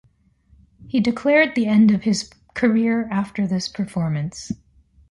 He declared the end of his career after this performance.